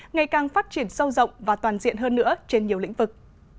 ngày càng phát triển sâu rộng và toàn diện hơn nữa trên nhiều lĩnh vực